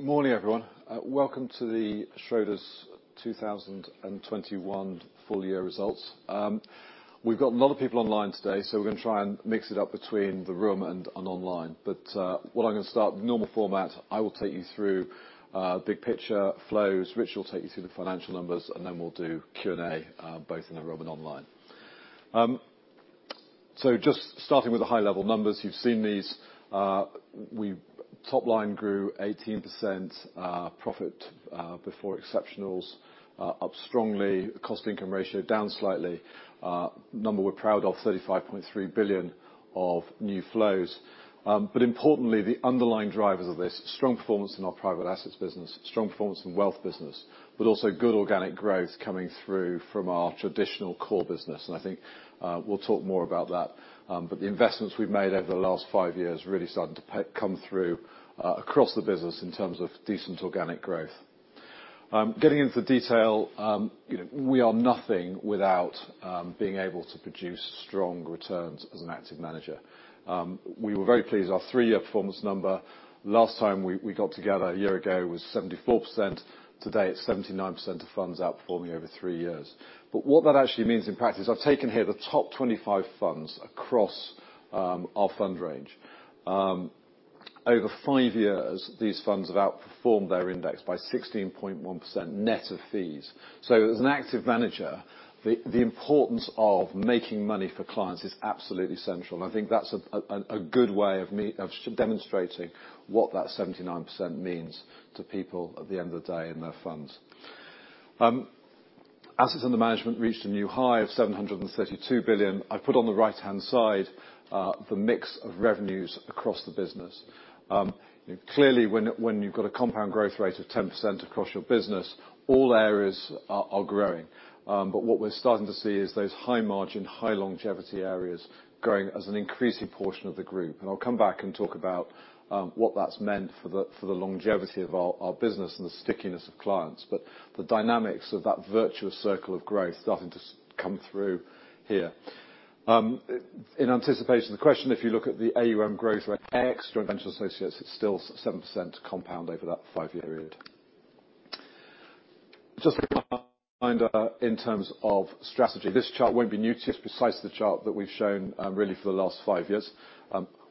Morning, everyone. Welcome to the Schroders 2021 full-year results. We've got a lot of people online today, so we're gonna try and mix it up between the room and online. What I'm gonna start, normal format, I will take you through big picture flows. Rich will take you through the financial numbers, and then we'll do Q&A both in the room and online. Just starting with the high-level numbers. You've seen these. Top line grew 18%. Profit before exceptionals up strongly. Cost-income ratio down slightly. Number we're proud of, 35.3 billion of new flows. Importantly, the underlying drivers of this strong performance in our private assets business, strong performance in wealth business, but also good organic growth coming through from our traditional core business. I think we'll talk more about that. The investments we've made over the last five years really starting to come through across the business in terms of decent organic growth. Getting into the detail. We are nothing without being able to produce strong returns as an active manager. We were very pleased. Our three-year performance number last time we got together a year ago was 74%. Today, it's 79% of funds outperforming over three years. What that actually means in practice, I've taken here the top 25 funds across our fund range. Over five years, these funds have outperformed their index by 16.1% net of fees. As an active manager, the importance of making money for clients is absolutely central, and I think that's a good way of me demonstrating what that 79% means to people at the end of the day in their funds. Assets under management reached a new high of 732 billion. I've put on the right-hand side the mix of revenues across the business. Clearly, when you've got a compound growth rate of 10% across your business, all areas are growing. What we're starting to see is those high-margin, high-longevity areas growing as an increasing portion of the group. I'll come back and talk about what that's meant for the longevity of our business and the stickiness of clients. The dynamics of that virtuous circle of growth starting to come through here. In anticipation of the question, if you look at the AUM growth rate ex joint venture associates, it's still 7% compound over that five-year period. Just a reminder in terms of strategy. This chart won't be new to you. It's precisely the chart that we've shown, really, for the last five years.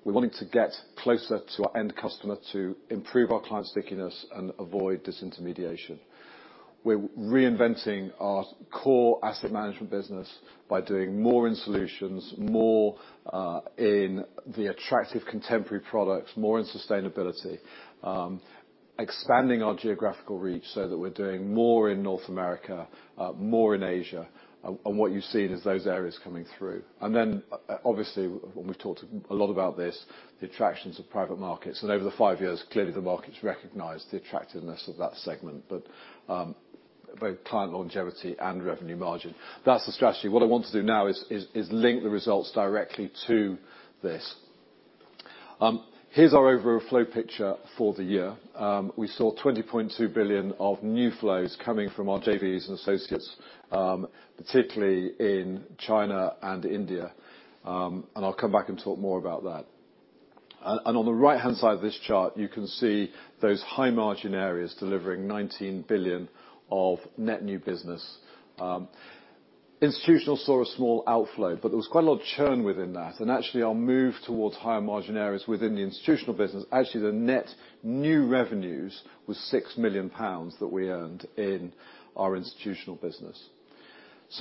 We're wanting to get closer to our end customer to improve our client stickiness and avoid disintermediation. We're reinventing our core asset management business by doing more in solutions, more in the attractive contemporary products, more in sustainability. Expanding our geographical reach so that we're doing more in North America, more in Asia, and what you've seen is those areas coming through. Obviously, when we've talked a lot about this, the attractions of private markets. Over the five years, clearly the market's recognized the attractiveness of that segment. Both client longevity and revenue margin. That's the strategy. What I want to do now is link the results directly to this. Here's our overall flow picture for the year. We saw 20.2 billion of new flows coming from our JVs and associates, particularly in China and India, and I'll come back and talk more about that. On the right-hand side of this chart, you can see those high-margin areas delivering 19 billion of net new business. Institutional saw a small outflow, but there was quite a lot of churn within that, and actually, our move towards higher margin areas within the institutional business, actually the net new revenues was 6 million pounds that we earned in our institutional business.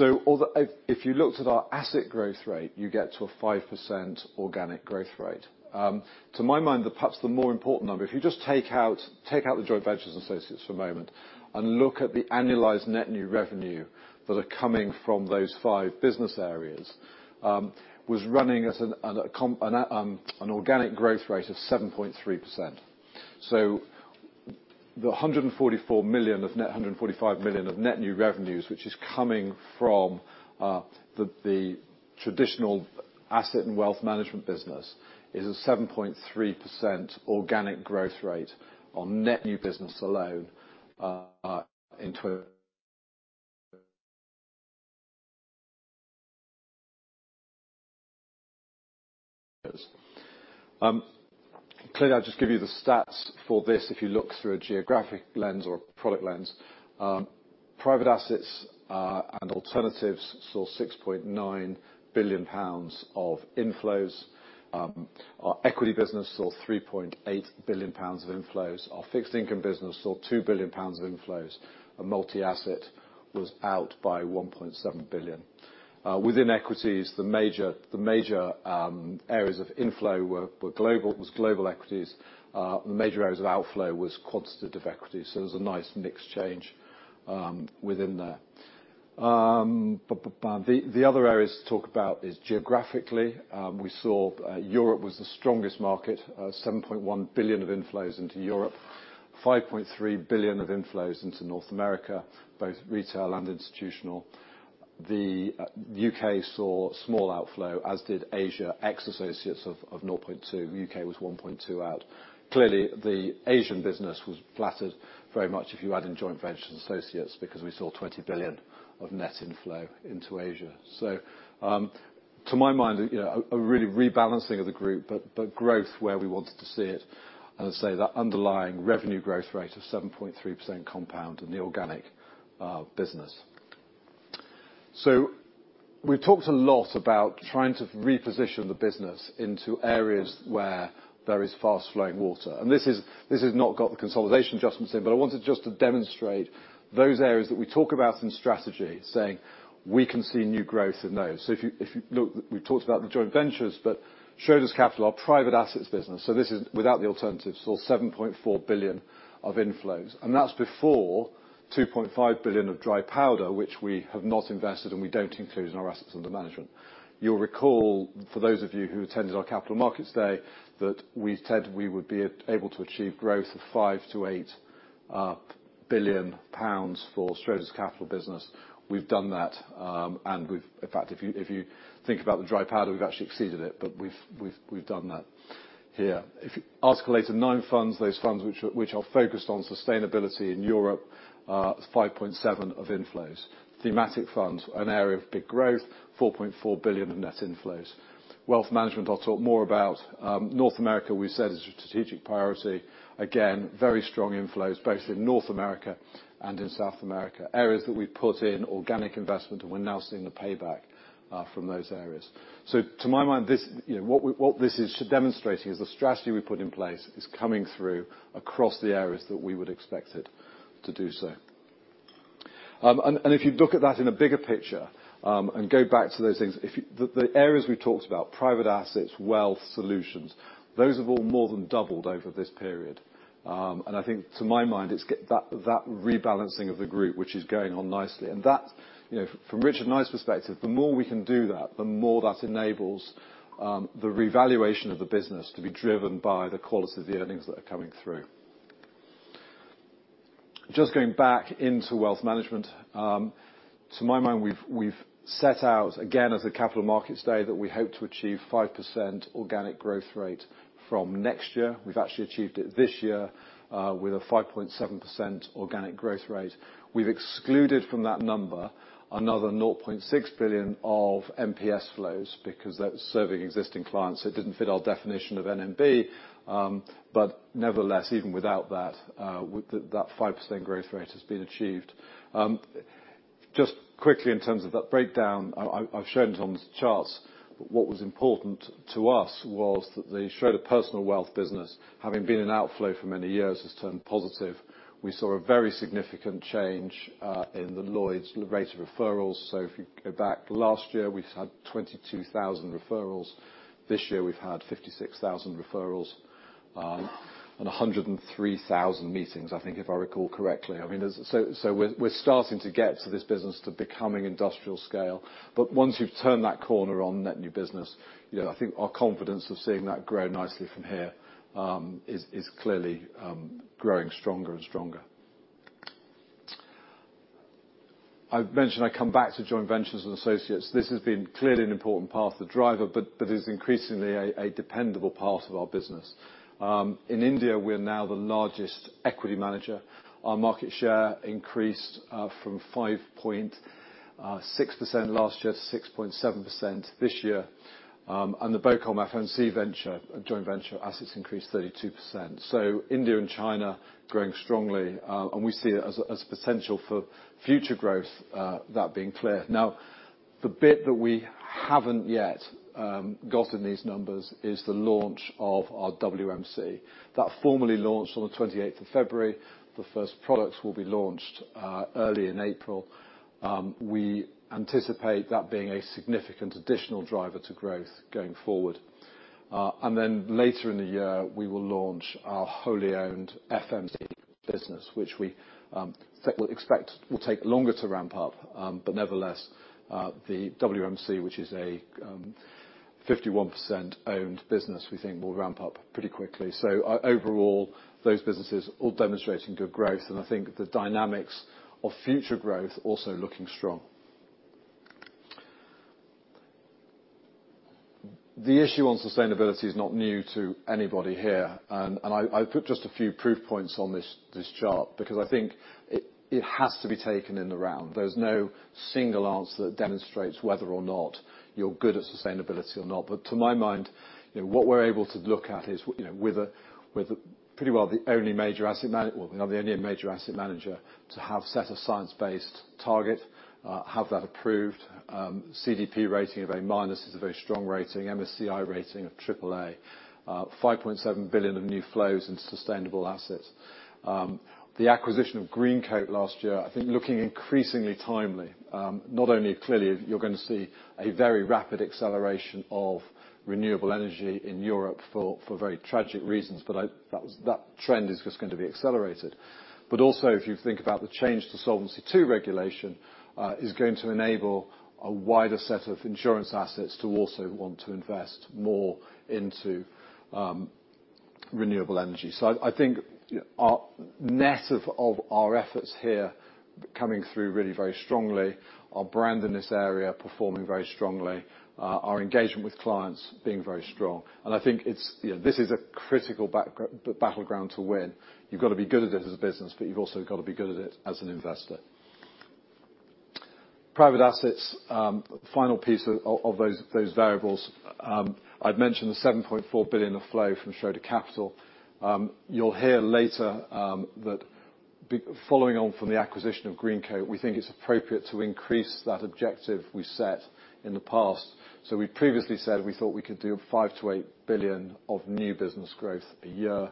Although if you looked at our asset growth rate, you get to a 5% organic growth rate. To my mind, perhaps the more important number, if you just take out the joint ventures associates for a moment and look at the annualized net new revenue that are coming from those five business areas, was running at an organic growth rate of 7.3%. The 144 million of net, 145 million of net new revenues, which is coming from the traditional asset and wealth management business, is a 7.3% organic growth rate on net new business alone. Clearly, I'll just give you the stats for this if you look through a geographic lens or a product lens. Private assets and alternatives saw 6.9 billion pounds of inflows. Our equity business saw 3.8 billion pounds of inflows. Our fixed income business saw 2 billion pounds of inflows. Our multi-asset was out by 1.7 billion. Within equities, the major areas of inflow were global equities. The major areas of outflow was quantitative equities, so there was a nice mixed change within there. The other areas to talk about is geographically, we saw Europe was the strongest market, 7.1 billion of inflows into Europe, 5.3 billion of inflows into North America, both retail and institutional. The U.K. saw small outflow, as did Asia, ex associates, of 0.2., U.K. was 1.2 out. Clearly, the Asian business was flattered very much if you add in joint ventures and associates, because we saw 20 billion of net inflow into Asia. To my mind, a really rebalancing of the group, but growth where we wanted to see it. As I say, that underlying revenue growth rate of 7.3% compound in the organic business. We've talked a lot about trying to reposition the business into areas where there is fast-flowing water. This has not got the consolidation adjustments in, but I wanted just to demonstrate those areas that we talk about in strategy, saying we can see new growth in those. If you look, we talked about the joint ventures, but Schroders Capital, our private assets business, without the alternatives, saw 7.4 billion of inflows. That's before 2.5 billion of dry powder, which we have not invested, and we don't include in our assets under management. You'll recall, for those of you who attended our Capital Markets Day, that we said we would be able to achieve growth of 5 billion-8 billion pounds for Schroders Capital business. We've done that, and we've... In fact, if you think about the dry powder, we've actually exceeded it, but we've done that here. Article 9 funds, those funds which are focused on sustainability in Europe, 5.7 billion of inflows. Thematic funds, an area of big growth, 4.4 billion of net inflows. Wealth management, I'll talk more about. North America, we said, is a strategic priority. Again, very strong inflows, both in North America and in South America. Areas that we put in organic investment, and we're now seeing the payback from those areas. To my mind, this, you know, what this is demonstrating is the strategy we put in place is coming through across the areas that we would expect it to do so. If you look at that in a bigger picture and go back to those things, the areas we talked about, private assets, wealth, solutions, those have all more than doubled over this period. I think to my mind, that rebalancing of the group which is going on nicely. You know, from Richard and I's perspective, the more we can do that, the more that enables the revaluation of the business to be driven by the quality of the earnings that are coming through. Just going back into wealth management, to my mind, we've set out, again, as a Capital Markets Day, that we hope to achieve 5% organic growth rate from next year. We've actually achieved it this year with a 5.7% organic growth rate. We've excluded from that number another 0.6 billion of MPS flows because that's serving existing clients. It didn't fit our definition of NMB. Nevertheless, even without that, with that 5% growth rate has been achieved. Just quickly in terms of that breakdown, I've shown it on the charts, but what was important to us was that the Schroders Personal Wealth business, having been an outflow for many years, has turned positive. We saw a very significant change in the Lloyds rate of referrals. If you go back last year, we had 22,000 referrals. This year, we've had 56,000 referrals and 103,000 meetings, I think, if I recall correctly. I mean, we're starting to get this business to becoming industrial scale. Once you've turned that corner on net new business, you know, I think our confidence of seeing that grow nicely from here is clearly growing stronger and stronger. I've mentioned I'd come back to joint ventures and associates. This has been clearly an important part of the driver, but is increasingly a dependable part of our business. In India, we are now the largest equity manager. Our market share increased from 5.6% last year to 6.7% this year. And the BOCOM FMC joint venture assets increased 32%. India and China growing strongly, and we see it as potential for future growth, that being clear. Now, the bit that we haven't yet got in these numbers is the launch of our WMC. That formally launched on the 28th of February. The first products will be launched early in April. We anticipate that being a significant additional driver to growth going forward. Then later in the year, we will launch our wholly owned FMC business, which we expect will take longer to ramp up. Nevertheless, the WMC, which is a 51% owned business, we think will ramp up pretty quickly. Overall, those businesses all demonstrating good growth. I think the dynamics of future growth also looking strong. The issue on sustainability is not new to anybody here. I put just a few proof points on this chart because I think it has to be taken in the round. There's no single answer that demonstrates whether or not you're good at sustainability or not. To my mind, you know, what we're able to look at is, you know, we are the only major asset manager to have set a science-based target, have that approved. CDP rating of A- is a very strong rating. MSCI rating of AAA. 5.7 billion of new flows in sustainable assets. The acquisition of Greencoat last year, I think looking increasingly timely. Not only clearly you're gonna see a very rapid acceleration of renewable energy in Europe for very tragic reasons, but that trend is just going to be accelerated. Also, if you think about the change to Solvency II regulation, is going to enable a wider set of insurance assets to also want to invest more into renewable energy. I think our net of our efforts here coming through really very strongly. Our brand in this area performing very strongly. Our engagement with clients being very strong. I think this is a critical battleground to win. You've got to be good at it as a business, but you've also got to be good at it as an investor. Private assets, final piece of those variables. I'd mentioned the 7.4 billion of flow from Schroders Capital. You'll hear later that following on from the acquisition of Greencoat, we think it's appropriate to increase that objective we set in the past. We previously said we thought we could do 5 billion-8 billion of new business growth a year.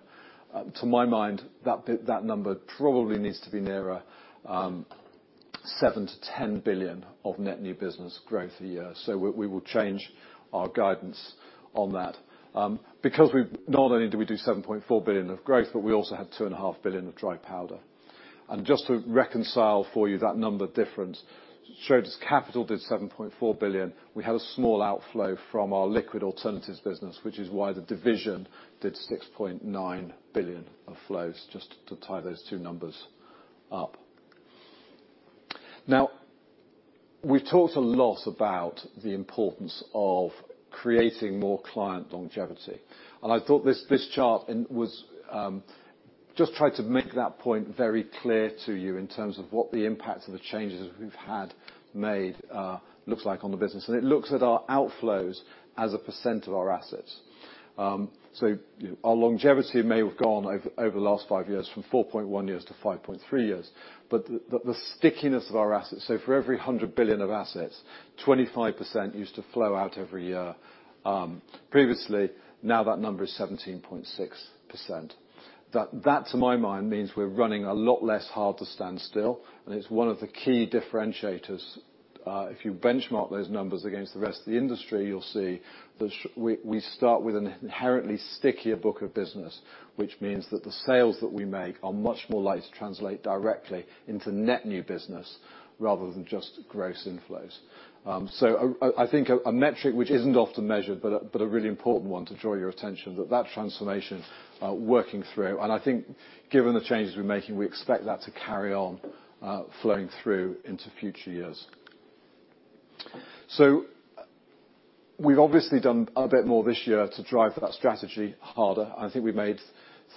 To my mind, that number probably needs to be nearer 7 billion-10 billion of net new business growth a year. We will change our guidance on that. Because not only do we do 7.4 billion of growth, but we also have 2.5 billion of dry powder. Just to reconcile for you that number difference, Schroders Capital did 7.4 billion. We had a small outflow from our liquid alternatives business, which is why the division did 6.9 billion of flows, just to tie those two numbers up. Now, we've talked a lot about the importance of creating more client longevity. I thought this chart was just try to make that point very clear to you in terms of what the impact of the changes we've had made looks like on the business. It looks at our outflows as a percent of our assets. Our longevity may have gone over the last five years from 4.1 years to 5.3 years, but the stickiness of our assets for every 100 billion of assets, 25% used to flow out every year, previously. Now that number is 17.6%. That to my mind means we're running a lot less hard to stand still, and it's one of the key differentiators. If you benchmark those numbers against the rest of the industry, you'll see that we start with an inherently stickier book of business, which means that the sales that we make are much more likely to translate directly into net new business rather than just gross inflows. I think a metric which isn't often measured, but a really important one to draw your attention to that transformation working through. I think given the changes we're making, we expect that to carry on flowing through into future years. We've obviously done a bit more this year to drive that strategy harder. I think we made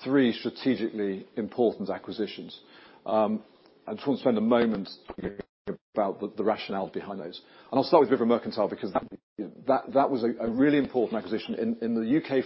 three strategically important acquisitions. I just want to spend a moment about the rationale behind those. I'll start with River and Mercantile because that was a really important acquisition. In the U.K.,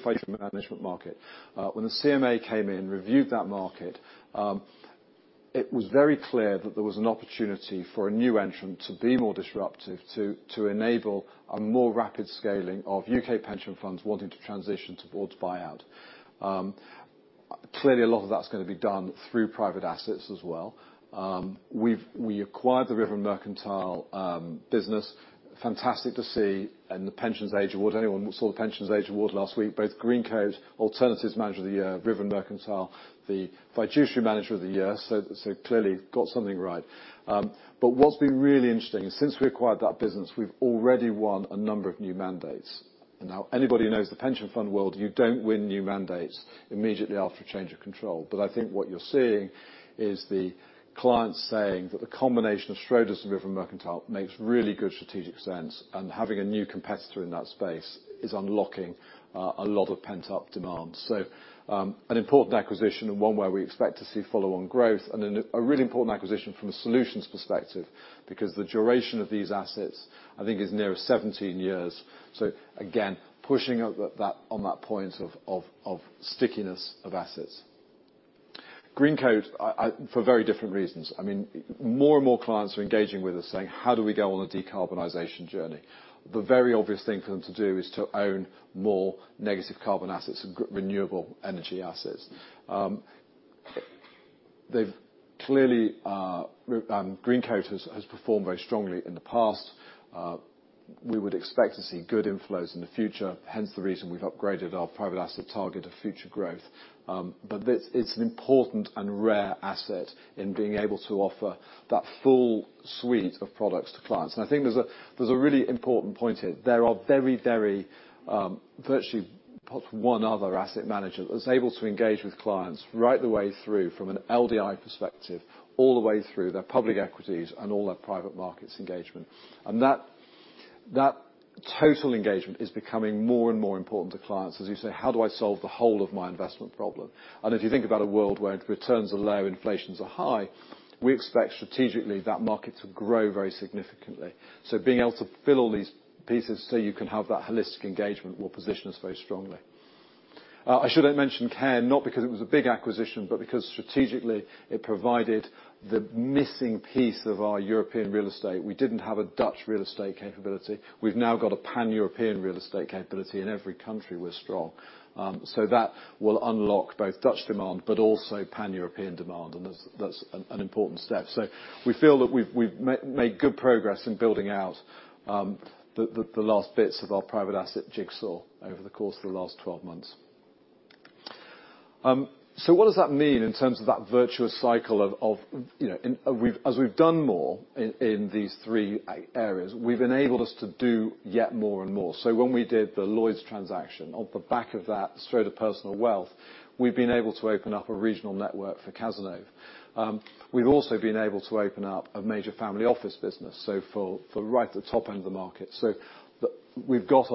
we've put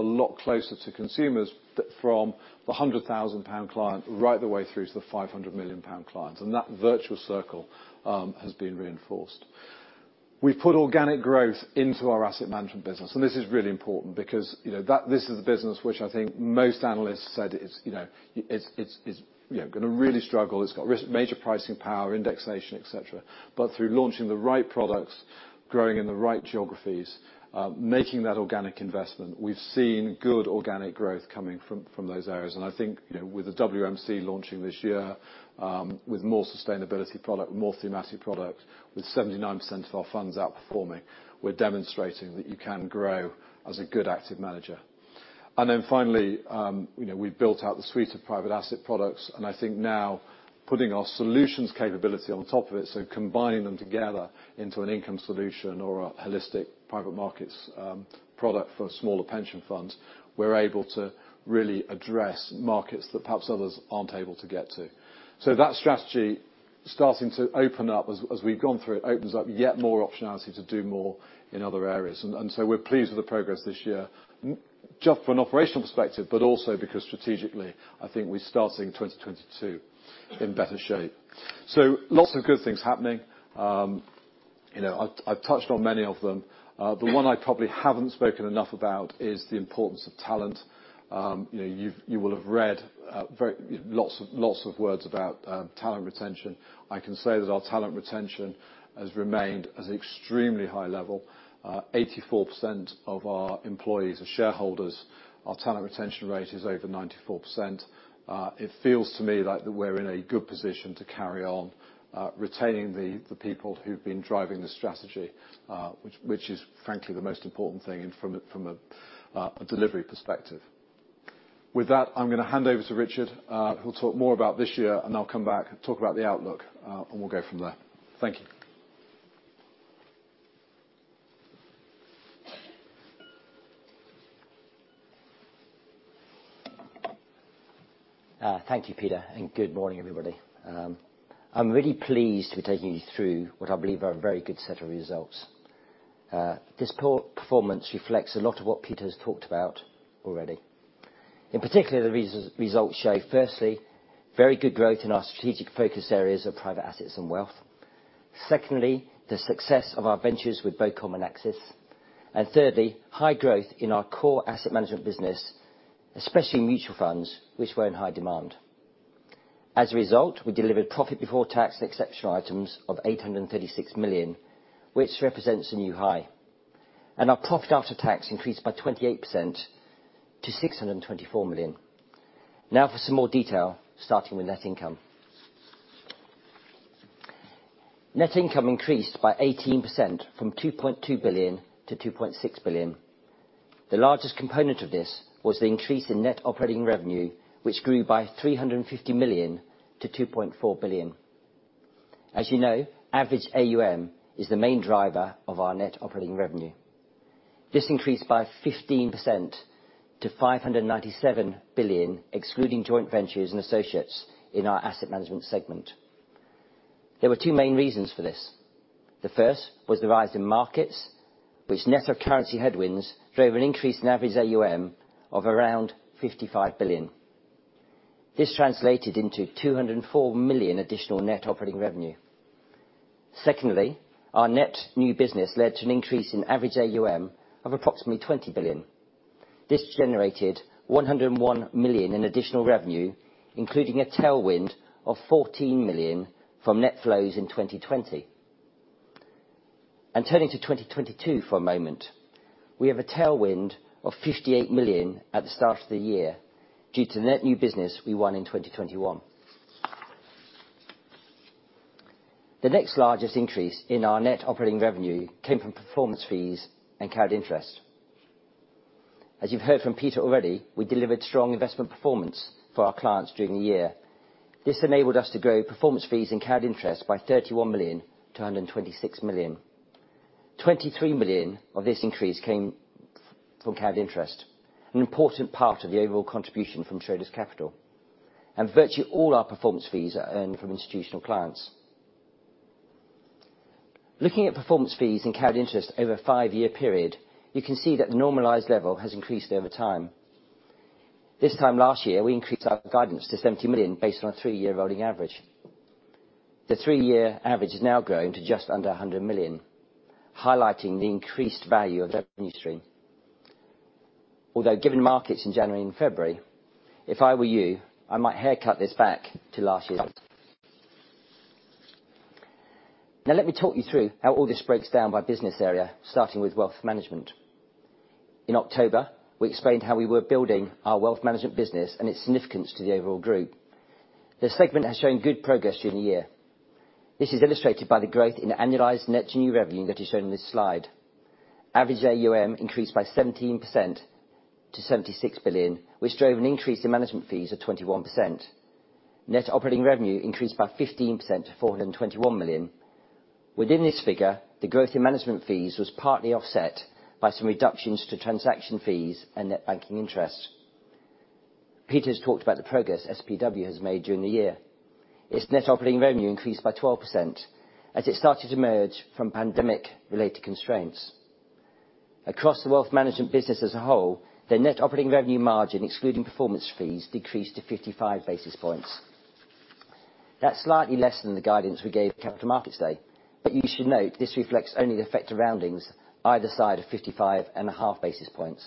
organic growth into our asset management business, and this is really important because this is the business which I think most analysts said is, you know, it's gonna really struggle. It's got major pricing power, indexation, et cetera. But through launching the right products, growing in the right geographies, making that organic investment, we've seen good organic growth coming from those areas. I think, you know, with the WMC launching this year, with more sustainability product, more thematic product, with 79% of our funds outperforming, we're demonstrating that you can grow as a good active manager. Finally, we built out the suite of private asset products, and I think now putting our solutions capability on top of it, so combining them together into an income solution or a holistic private markets product for smaller pension funds, we're able to really address markets that perhaps others aren't able to get to. That strategy starting to open up as we've gone through, it opens up yet more optionality to do more in other areas. We're pleased with the progress this year, just from an operational perspective, but also because strategically, I think we're starting 2022 in better shape. Lots of good things happening. You know, I've touched on many of them. The one I probably haven't spoken enough about is the importance of talent. You know, you've... You will have read lots of words about talent retention. I can say that our talent retention has remained at an extremely high level. 84% of our employees are shareholders. Our talent retention rate is over 94%. It feels to me like that we're in a good position to carry on retaining the people who've been driving the strategy, which is frankly the most important thing from a delivery perspective. With that, I'm gonna hand over to Richard, who'll talk more about this year, and I'll come back and talk about the outlook, and we'll go from there. Thank you. Thank you, Peter, and good morning, everybody. I'm really pleased to be taking you through what I believe are a very good set of results. This poor performance reflects a lot of what Peter's talked about already. In particular, results show firstly, very good growth in our strategic focus areas of private assets and wealth. Secondly, the success of our ventures with both BOCOM and Axis. Thirdly, high growth in our core asset management business, especially mutual funds, which were in high demand. As a result, we delivered profit before tax and exceptional items of 836 million, which represents a new high. Our profit after tax increased by 28% to 624 million. Now for some more detail, starting with net income. Net income increased by 18% from 2.2 billion to 2.6 billion. The largest component of this was the increase in net operating revenue, which grew by 350 million to 2.4 billion. As you know, average AUM is the main driver of our net operating revenue. This increased by 15% to 597 billion, excluding joint ventures and associates in our asset management segment. There were two main reasons for this. The first was the rise in markets, which, net of currency headwinds, drove an increase in average AUM of around 55 billion. This translated into 204 million additional net operating revenue. Secondly, our net new business led to an increase in average AUM of approximately 20 billion. This generated 101 million in additional revenue, including a tailwind of 14 million from net flows in 2020. Turning to 2022 for a moment, we have a tailwind of 58 million at the start of the year due to net new business we won in 2021. The next largest increase in our net operating revenue came from performance fees and carried interest. As you've heard from Peter already, we delivered strong investment performance for our clients during the year. This enabled us to grow performance fees and carried interest by 31 million to 126 million. 23 million of this increase came from carried interest, an important part of the overall contribution from Schroders Capital. Virtually all our performance fees are earned from institutional clients. Looking at performance fees and carried interest over a five-year period, you can see that the normalized level has increased over time. This time last year, we increased our guidance to 70 million based on a three-year rolling average. The three-year average has now grown to just under 100 million, highlighting the increased value of the revenue stream. Although given markets in January and February, if I were you, I might haircut this back to last year's. Now, let me talk you through how all this breaks down by business area, starting with wealth management. In October, we explained how we were building our wealth management business and its significance to the overall group. The segment has shown good progress during the year. This is illustrated by the growth in annualized net new revenue that is shown in this slide. Average AUM increased by 17% to 76 billion, which drove an increase in management fees of 21%. Net operating revenue increased by 15% to 421 million. Within this figure, the growth in management fees was partly offset by some reductions to transaction fees and net banking interest. Peter's talked about the progress SPW has made during the year. Its net operating revenue increased by 12% as it started to emerge from pandemic-related constraints. Across the wealth management business as a whole, their net operating revenue margin, excluding performance fees, decreased to 55 basis points. That's slightly less than the guidance we gave at Capital Markets Day. You should note, this reflects only the effect of roundings either side of 55.5 basis points.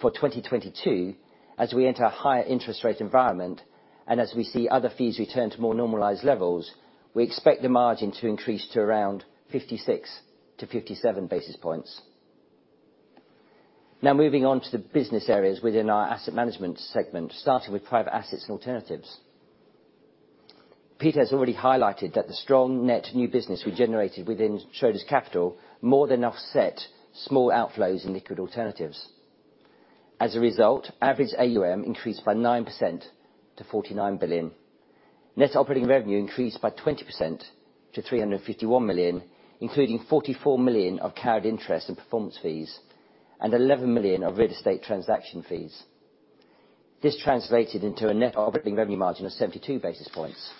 For 2022, as we enter a higher interest rate environment, and as we see other fees return to more normalized levels, we expect the margin to increase to around 56-57 basis points. Now, moving on to the business areas within our asset management segment, starting with private assets and alternatives. Peter has already highlighted that the strong net new business we generated within Schroders Capital more than offset small outflows in liquid alternatives. As a result, average AUM increased by 9% to 49 billion. Net operating revenue increased by 20% to 351 million, including 44 million of carried interest and performance fees, and 11 million of real estate transaction fees. This translated into a net operating revenue margin of 72 basis points.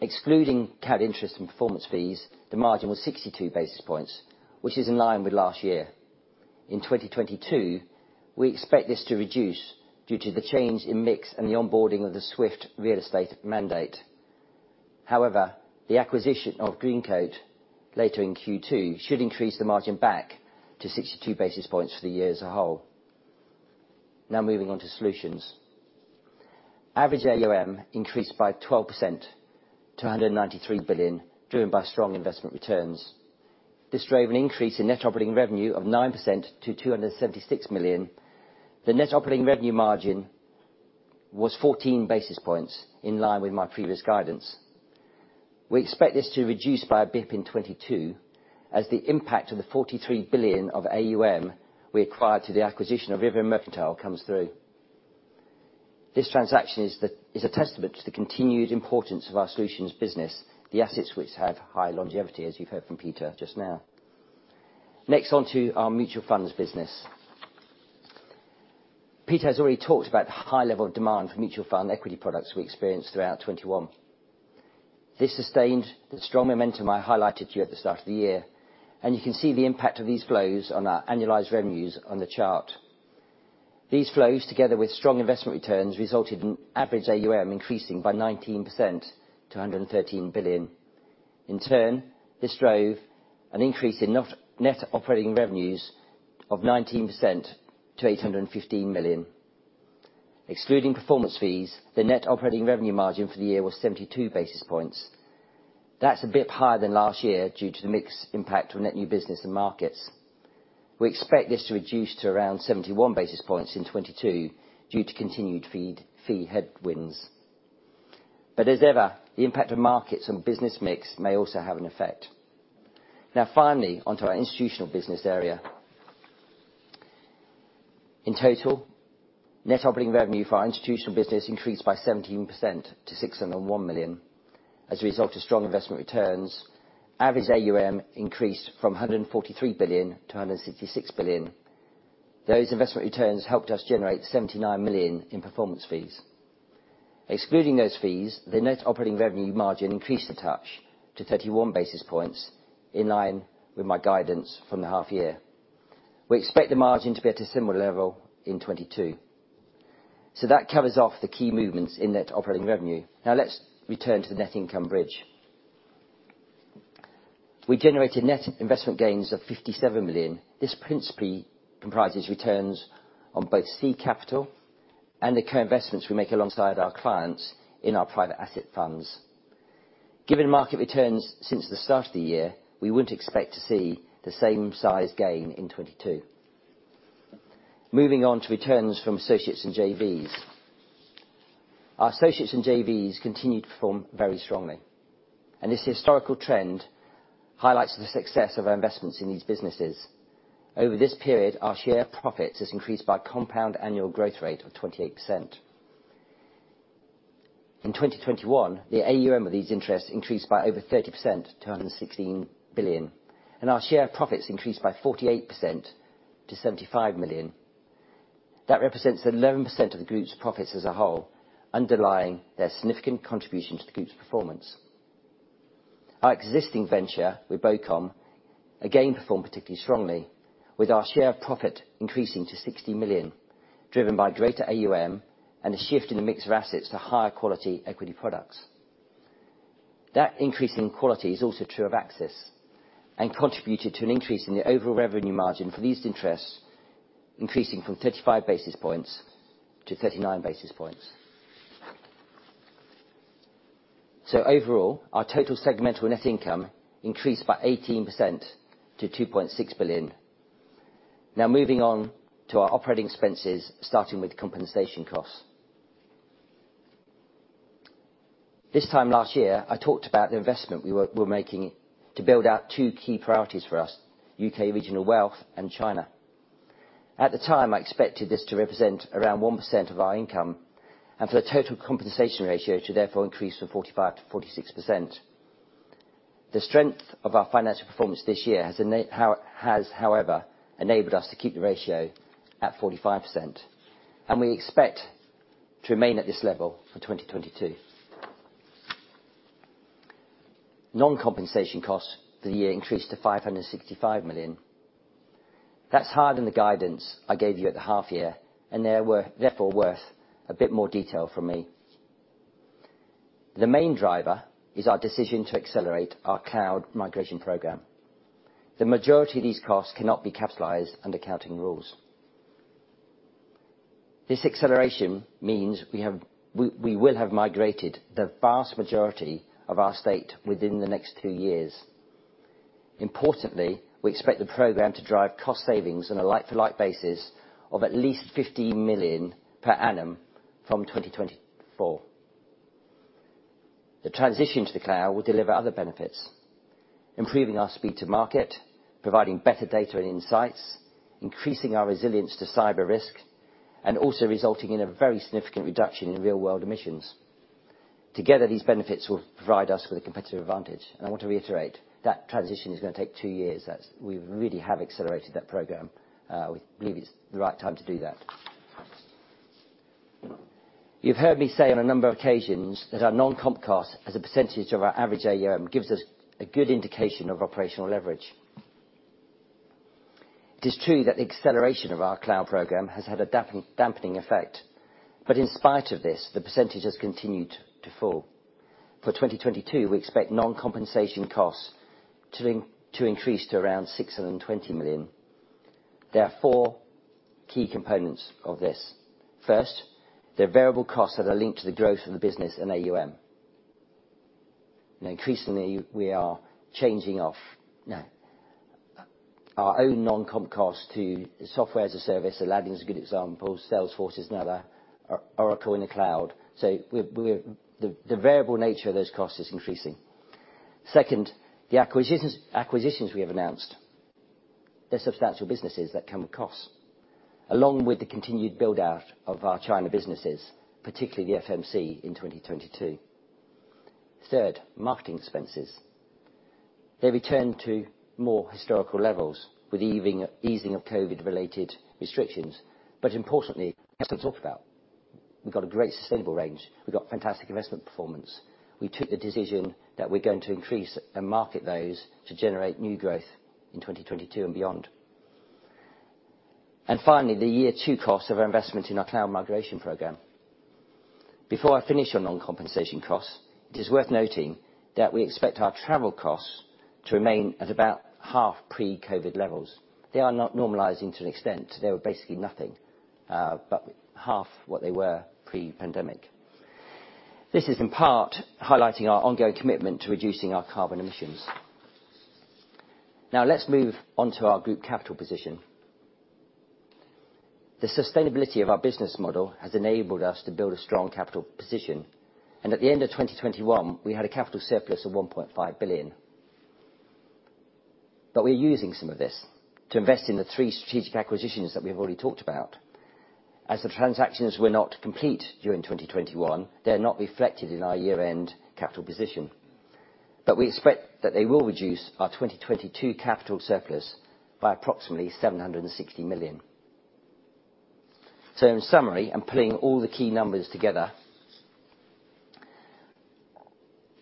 Excluding carried interest and performance fees, the margin was 62 basis points, which is in line with last year. In 2022, we expect this to reduce due to the change in mix and the onboarding of the Swift real estate mandate. However, the acquisition of Greencoat later in Q2 should increase the margin back to 62 basis points for the year as a whole. Now, moving on to solutions. Average AUM increased by 12% to 193 billion, driven by strong investment returns. This drove an increase in net operating revenue of 9% to 276 million. The net operating revenue margin was 14 basis points, in line with my previous guidance. We expect this to reduce by a basis point in 2022 as the impact of the 43 billion of AUM we acquired to the acquisition of River and Mercantile comes through. This transaction is a testament to the continued importance of our solutions business, the assets which have high longevity, as you've heard from Peter just now. Next, on to our mutual funds business. Peter has already talked about the high level of demand for mutual fund equity products we experienced throughout 2021. This sustained the strong momentum I highlighted to you at the start of the year, and you can see the impact of these flows on our annualized revenues on the chart. These flows, together with strong investment returns, resulted in average AUM increasing by 19% to 113 billion. In turn, this drove an increase in net operating revenues of 19% to 815 million. Excluding performance fees, the net operating revenue margin for the year was 72 basis points. That's a bit higher than last year due to the mix impact on net new business and markets. We expect this to reduce to around 71 basis points in 2022 due to continued fee headwinds. As ever, the impact of markets on business mix may also have an effect. Now, finally, on to our institutional business area. In total, net operating revenue for our institutional business increased by 17% to 601 million. As a result of strong investment returns, average AUM increased from 143 billion to 166 billion. Those investment returns helped us generate 79 million in performance fees. Excluding those fees, the net operating revenue margin increased a touch to 31 basis points, in line with my guidance from the half-year. We expect the margin to be at a similar level in 2022. That covers off the key movements in net operating revenue. Now let's return to the net income bridge. We generated net investment gains of 57 million. This principally comprises returns on both seed capital and the co-investments we make alongside our clients in our private asset funds. Given market returns since the start of the year, we wouldn't expect to see the same size gain in 2022. Moving on to returns from associates and JVs. Our associates and JVs continued to perform very strongly. This historical trend highlights the success of our investments in these businesses. Over this period, our share of profits has increased by compound annual growth rate of 28%. In 2021, the AUM of these interests increased by over 30% to 116 billion, and our share of profits increased by 48% to 75 million. That represents 11% of the group's profits as a whole, underlying their significant contribution to the group's performance. Our existing venture with BOCOM, again, performed particularly strongly, with our share of profit increasing to 60 million, driven by greater AUM and a shift in the mix of assets to higher-quality equity products. That increase in quality is also true of Axis and contributed to an increase in the overall revenue margin for these interests, increasing from 35 basis points to 39 basis points. Overall, our total segmental net income increased by 18% to 2.6 billion. Now, moving on to our operating expenses, starting with compensation costs. This time last year, I talked about the investment we were making to build out two key priorities for us, U.K. Regional Wealth and China. At the time, I expected this to represent around 1% of our income and for the total compensation ratio to therefore increase from 45% to 46%. The strength of our financial performance this year has, however, enabled us to keep the ratio at 45%, and we expect to remain at this level for 2022. Non-compensation costs for the year increased to 565 million. That's higher than the guidance I gave you at the half-year, and they are therefore worth a bit more detail from me. The main driver is our decision to accelerate our cloud migration program. The majority of these costs cannot be capitalized under accounting rules. This acceleration means we will have migrated the vast majority of our estate within the next two years. Importantly, we expect the program to drive cost savings on a like-for-like basis of at least 50 million per annum from 2024. The transition to the cloud will deliver other benefits, improving our speed to market, providing better data and insights, increasing our resilience to cyber risk, and also resulting in a very significant reduction in real-world emissions. Together, these benefits will provide us with a competitive advantage. I want to reiterate that transition is gonna take two years. We really have accelerated that program. We believe it's the right time to do that. You've heard me say on a number of occasions that our non-comp costs as a percentage of our average AUM gives us a good indication of operational leverage. It is true that the acceleration of our cloud program has had a dampening effect. In spite of this, the percentage has continued to fall. For 2022, we expect non-compensation costs to increase to around 620 million. There are four key components of this. First, there are variable costs that are linked to the growth of the business in AUM. Increasingly, we are changing over now our own non-comp cost to software as a service. Aladdin is a good example. Salesforce is another. Or Oracle in the cloud. The variable nature of those costs is increasing. Second, the acquisitions we have announced they're substantial businesses that come with costs, along with the continued build-out of our China businesses, particularly the FMC in 2022. Third, marketing expenses. They return to more historical levels with easing of COVID-related restrictions. Importantly, as we've talked about, we've got a great sustainable range. We've got fantastic investment performance. We took the decision that we're going to increase and market those to generate new growth in 2022 and beyond. Finally, the year two costs of our investment in our cloud migration program. Before I finish on non-compensation costs, it is worth noting that we expect our travel costs to remain at about half pre-COVID levels. They are not normalizing to an extent. They were basically nothing, but half what they were pre-pandemic. This is in part highlighting our ongoing commitment to reducing our carbon emissions. Now let's move on to our group capital position. The sustainability of our business model has enabled us to build a strong capital position. At the end of 2021, we had a capital surplus of 1.5 billion. We're using some of this to invest in the three strategic acquisitions that we've already talked about. As the transactions were not complete during 2021, they're not reflected in our year-end capital position. We expect that they will reduce our 2022 capital surplus by approximately 760 million. In summary, and pulling all the key numbers together,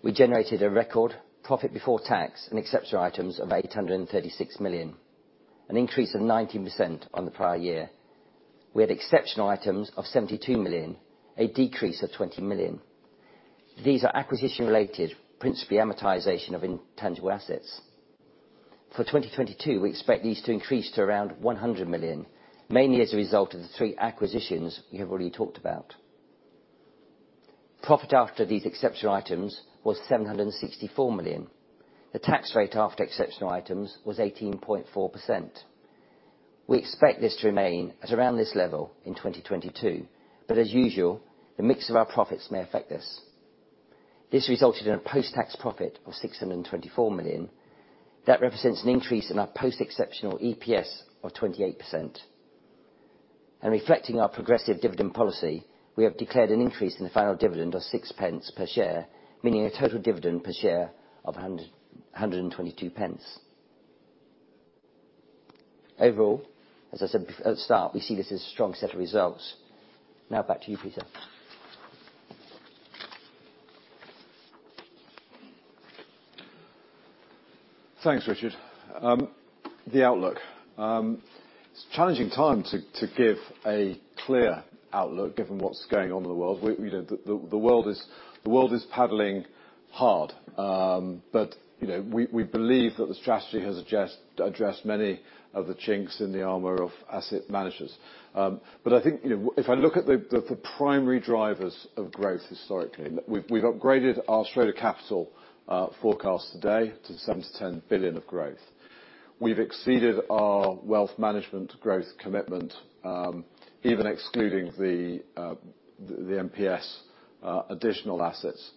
we generated a record profit before tax and exceptional items of 836 million, an increase of 19% on the prior year. We had exceptional items of 72 million, a decrease of 20 million. These are acquisition-related, principally amortization of intangible assets. For 2022, we expect these to increase to around 100 million, mainly as a result of the three acquisitions we have already talked about. Profit after these exceptional items was 764 million. The tax rate after exceptional items was 18.4%. We expect this to remain at around this level in 2022, but as usual, the mix of our profits may affect this. This resulted in a post-tax profit of 624 million. That represents an increase in our post-exceptional EPS of 28%. Reflecting our progressive dividend policy, we have declared an increase in the final dividend of 6 pence per share, meaning a total dividend per share of 122 pence. Overall, as I said at the start, we see this as a strong set of results. Now back to you, Peter. Thanks, Richard. The outlook. It's a challenging time to give a clear outlook, given what's going on in the world. You know, the world is paddling hard. You know, we believe that the strategy has addressed many of the chinks in the armor of asset managers. I think, you know, if I look at the primary drivers of growth historically, we've upgraded our Schroders Capital forecast today to 7 billion-10 billion of growth. We've exceeded our wealth management growth commitment, even excluding the MPS additional assets.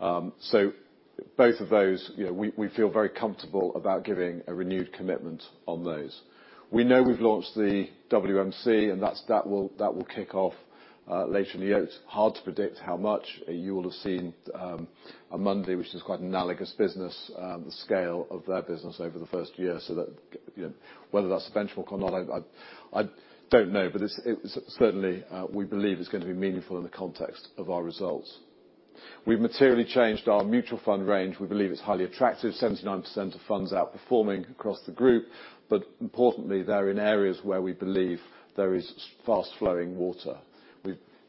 Both of those, you know, we feel very comfortable about giving a renewed commitment on those. We know we've launched the WMC, and that will kick off later in the year. It's hard to predict how much. You will have seen, Amundi, which is quite an analogous business, the scale of their business over the first year. That, you know, whether that's the benchmark or not, I don't know. But it's certainly, we believe, is gonna be meaningful in the context of our results. We've materially changed our mutual fund range. We believe it's highly attractive. 79% of funds outperforming across the group, but importantly, they're in areas where we believe there is fast-flowing water.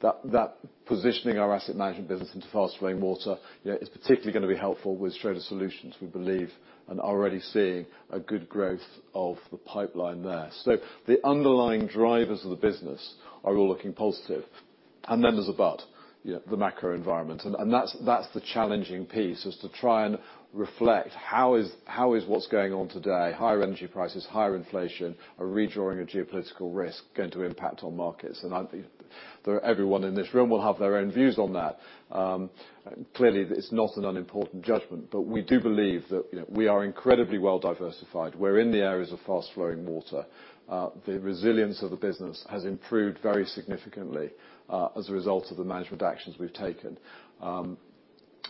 That positioning our asset management business into fast-flowing water, you know, is particularly gonna be helpful with Schroders Solutions, we believe, and already seeing a good growth of the pipeline there. The underlying drivers of the business are all looking positive. There's a but, you know, the macro environment. That's the challenging piece, is to try and reflect how what's going on today, higher energy prices, higher inflation, a redrawing of geopolitical risk, going to impact on markets? I think there, everyone in this room will have their own views on that. Clearly, it's not an unimportant judgment, but we do believe that, you know, we are incredibly well diversified. We're in the areas of fast-flowing water. The resilience of the business has improved very significantly, as a result of the management actions we've taken.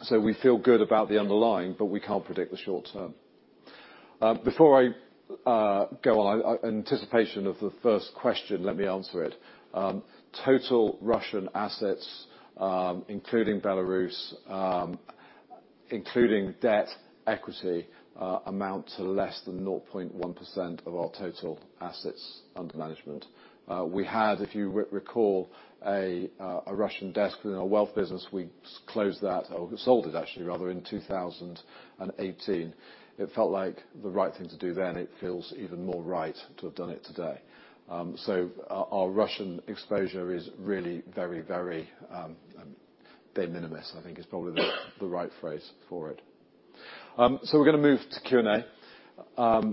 We feel good about the underlying, but we can't predict the short term. Before I go on, in anticipation of the first question, let me answer it. Total Russian assets, including Belarus, including debt, equity, amount to less than 0.1% of our total assets under management. We had, if you recall, a Russian desk within our wealth business. We closed that, or sold it, actually rather, in 2018. It felt like the right thing to do then. It feels even more right to have done it today. Our Russian exposure is really very de minimis. I think is probably the right phrase for it. We're gonna move to Q&A.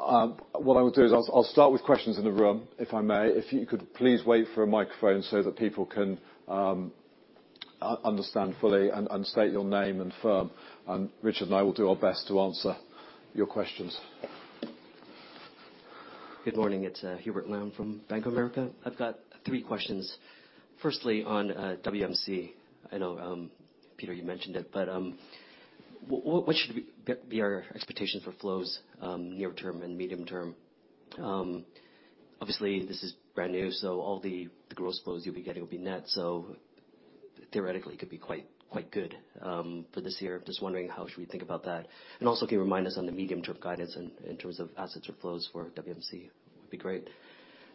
What I will do is I'll start with questions in the room, if I may. If you could please wait for a microphone so that people can understand fully, and state your name and firm. Richard and I will do our best to answer your questions. Good morning. It's Hubert Lam from Bank of America. I've got three questions. Firstly, on WMC. I know, Peter, you mentioned it, but what should be our expectation for flows near term and medium-term? Obviously, this is brand new, so all the gross flows you'll be getting will be net. So theoretically it could be quite good for this year. Just wondering how should we think about that. And also, can you remind us on the medium-term guidance in terms of assets or flows for WMC would be great.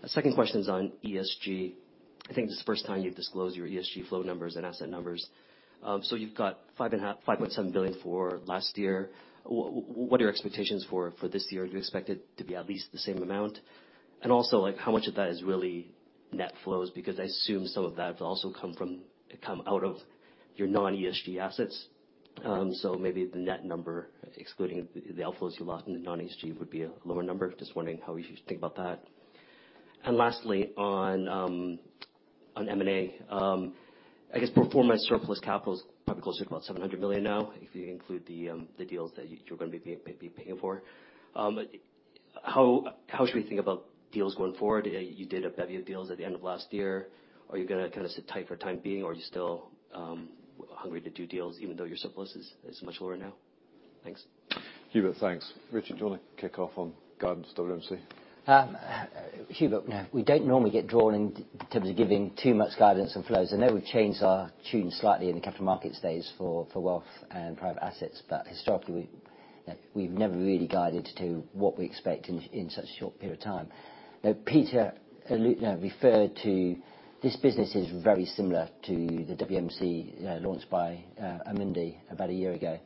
The second question's on ESG. I think this is the first time you've disclosed your ESG flow numbers and asset numbers. So you've got GBP 5.5.7 billion for last year. What are your expectations for this year? Do you expect it to be at least the same amount? Also, like, how much of that is really net flows? Because I assume some of that will also come from, come out of your non-ESG assets. Maybe the net number, excluding the outflows you lost in the non-ESG, would be a lower number. Just wondering how we should think about that. Lastly, on M&A. I guess performance surplus capital is probably closer to about 700 million now, if you include the deals that you're gonna be paying for. How should we think about deals going forward? You did a bevy of deals at the end of last year. Are you gonna kind of sit tight for time being, or are you still hungry to do deals even though your surplus is much lower now? Thanks. Hubert, thanks. Richard, do you wanna kick off on guidance WMC? Hubert, we don't normally get drawn into giving too much guidance on flows. I know we've changed our tune slightly in the Capital Markets Days for wealth and private assets, but historically, we've never really guided to what we expect in such a short period of time. Now, Peter referred to this business is very similar to the WMC, you know, launched by Amundi about a year ago,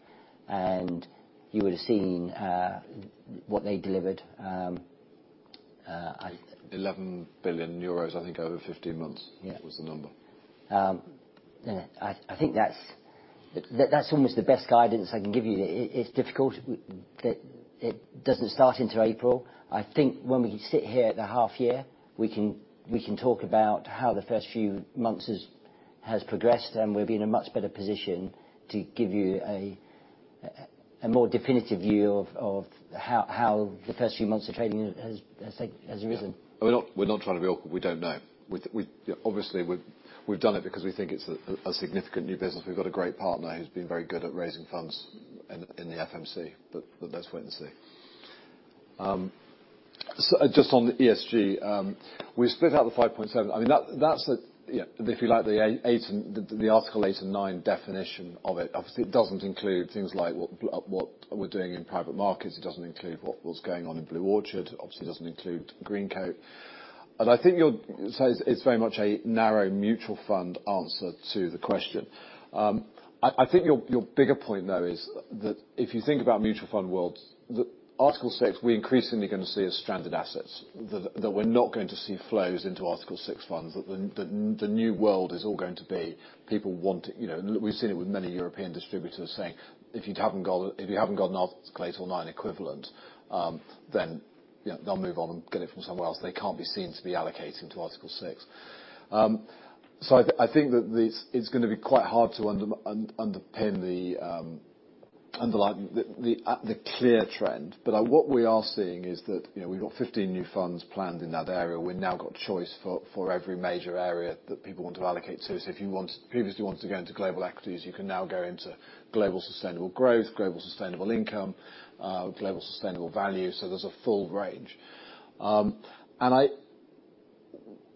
and you would've seen what they delivered. 11 billion euros, I think over 15 months was the number. Yeah, I think that's almost the best guidance I can give you. It's difficult. It doesn't start until April. I think when we sit here at the half year, we can talk about how the first few months has progressed, and we'll be in a much better position to give you a more definitive view of how the first few months of trading has risen. We're not trying to be all, "We don't know." We obviously we've done it because we think it's a significant new business. We've got a great partner who's been very good at raising funds in the FMC. Let's wait and see. Just on the ESG, we split out the 5.7. I mean, that's the, yeah, if you like the 8, the Article 8 and 9 definition of it. Obviously, it doesn't include things like what we're doing in private markets. It doesn't include what's going on in BlueOrchard. Obviously doesn't include Greencoat. It's very much a narrow mutual fund answer to the question. I think your bigger point though, is that if you think about mutual fund world, the Article 6, we're increasingly gonna see as stranded assets. That we're not going to see flows into Article 6 funds. The new world is all going to be people want, you know. We've seen it with many European distributors saying, "If you haven't got an Article 8 or 9 equivalent, then, you know, they'll move on and get it from somewhere else. They can't be seen to be allocating to Article 6." So I think that this is gonna be quite hard to underpin the underline the clear trend. What we are seeing is that, you know, we've got 15 new funds planned in that area. We've now got choice for every major area that people want to allocate to. If you previously wanted to go into global equities, you can now go into global sustainable growth, global sustainable income, global sustainable value. There's a full range.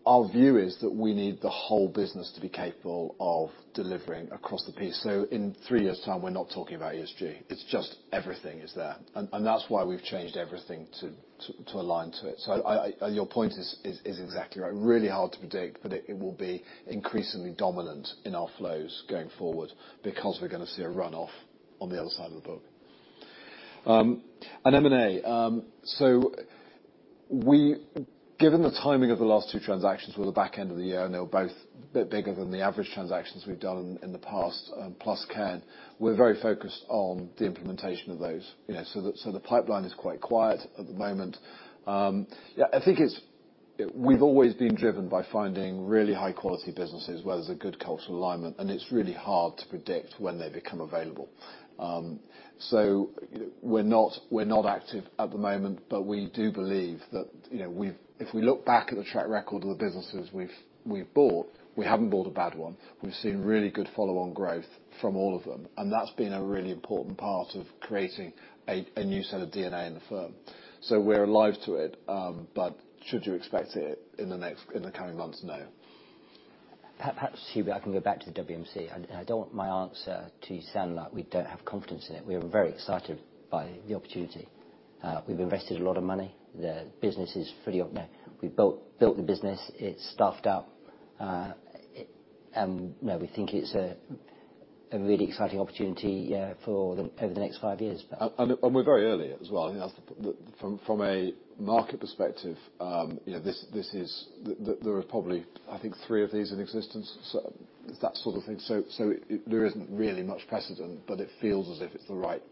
Our view is that we need the whole business to be capable of delivering across the piece. In three years' time, we're not talking about ESG, it's just everything is there. That's why we've changed everything to align to it. Your point is exactly right, really hard to predict, but it will be increasingly dominant in our flows going forward because we're gonna see a runoff on the other side of the book. On M&A, given the timing of the last two transactions were the back end of the year, and they were both a bit bigger than the average transactions we've done in the past, plus Ken, we're very focused on the implementation of those. The pipeline is quite quiet at the moment. I think we've always been driven by finding really high-quality businesses, with a good cultural alignment, and it's really hard to predict when they become available. We're not active at the moment, but we do believe that, you know, if we look back at the track record of the businesses we've bought, we haven't bought a bad one. We've seen really good follow-on growth from all of them, and that's been a really important part of creating a new set of DNA in the firm. We're alive to it, but should you expect it in the coming months? No. Perhaps, Hubert, I can go back to the WMC. I don't want my answer to sound like we don't have confidence in it. We are very excited by the opportunity. We've invested a lot of money. The business is fully up now. We built the business. It's staffed up. You know, we think it's a really exciting opportunity, yeah, over the next five years. We're very early as well. You know, from a market perspective, you know, this is the there are probably, I think, three of these in existence, so that sort of thing. So there isn't really much precedent, but it feels as if it's the right.